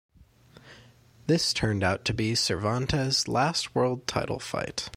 This turned out to be Cervantes' last world title fight.